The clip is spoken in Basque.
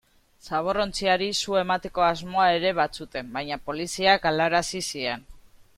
Zaborrontziari su emateko asmoa ere bazuten, baina poliziak galarazi zien.